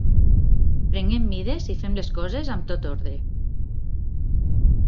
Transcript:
Prenguem mides i fem les coses am tot ordre